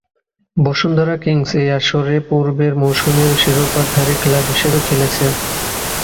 Bashundhara Kings এই আসরে পূর্বের মৌসুমের শিরোপাধারী ক্লাব হিসেবে খেলেছে।